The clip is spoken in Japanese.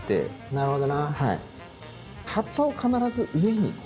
なるほど。